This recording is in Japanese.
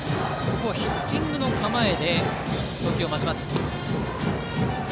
ヒッティングの構えで投球を待ちます。